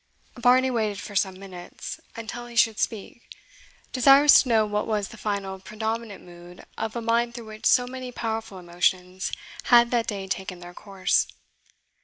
Varney waited for some minutes until he should speak, desirous to know what was the finally predominant mood of a mind through which so many powerful emotions had that day taken their course.